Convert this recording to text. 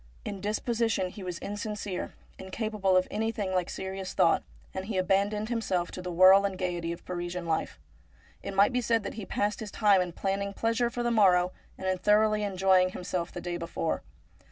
In disposition he was insincere, incapable of anything like serious thought, and he abandoned himself to the whirl and gaiety of Parisian life. It might be said that he passed his time in planning pleasure for the morrow and in thoroughly enjoying himself the day before.